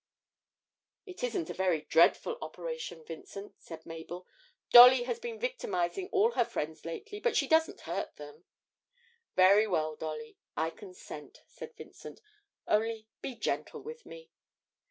'It isn't a very dreadful operation, Vincent,' said Mabel. 'Dolly has been victimising all her friends lately, but she doesn't hurt them.' 'Very well, Dolly, I consent,' said Vincent; 'only be gentle with me.'